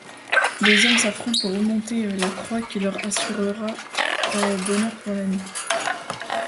Les hommes s'affrontent pour remonter la croix qui leur assurera bonheur pour l'année.